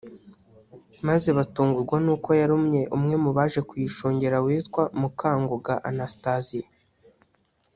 maze batungurwa n’uko yarumye umwe mu baje kuyishungera witwa Mukangoga Anastasie